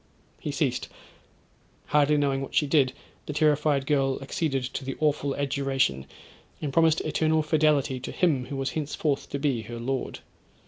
He ceased—hardly knowing what she did, the terrified girl acceded to the awful adjuration, and promised eternal fidelity to him who was henceforth to be her lord.